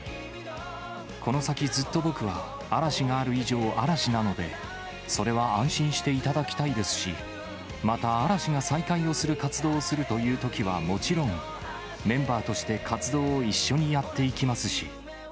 この先ずっと僕は嵐がある以上、嵐なので、それは安心していただきたいですし、また嵐が再開をする・活動をするというときはもちろん、メンバーとして活動を一緒にやっていきますし。